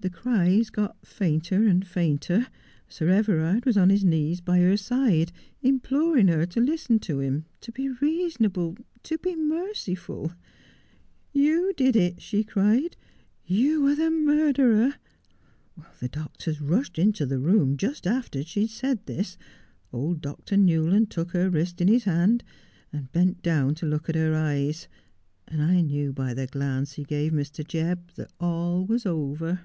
The cries got fainter and fainter. Sir Everard was on his knees by her side, imploring her to listen to him, to be reasonable, to be merciful. " You did it," she cried, " you are the murderer." The doctors rushed into the room just after she had said this. Old Dr. Newland took her wrist in his hand and bent down to look at her eyes ; and I knew by the glance he gave Mr. Jebb that all was over.